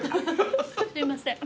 すいません。